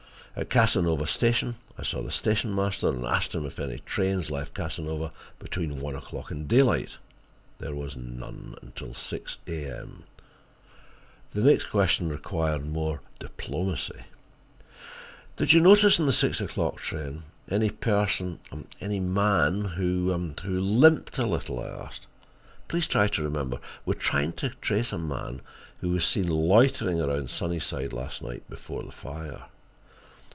At Casanova station I saw the station master, and asked him if any trains left Casanova between one o'clock and daylight. There was none until six A.M. The next question required more diplomacy. "Did you notice on the six o'clock train any person—any man—who limped a little?" I asked. "Please try to remember: we are trying to trace a man who was seen loitering around Sunnyside last night before the fire."